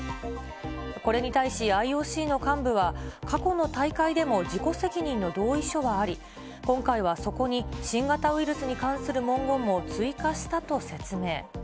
これに対し、ＩＯＣの幹部は、過去の大会でも自己責任の同意書はあり、今回はそこに新型ウイルスに関する文言も追加したと説明。